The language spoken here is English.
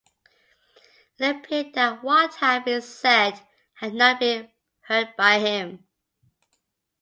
It appeared that what had been said had not been heard by him.